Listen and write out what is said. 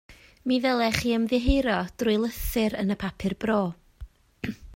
Mi ddylech chi ymddiheuro drwy lythyr yn y papur bro